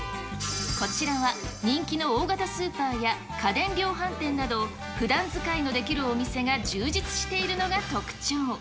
こちらは人気の大型スーパーや家電量販店など、ふだん使いのできるお店が充実しているのが特徴。